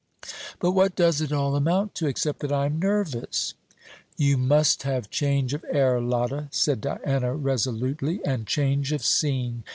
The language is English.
But what does it all amount to, except that I am nervous?" "You must have change of air, Lotta," said Diana resolutely, "and change of scene.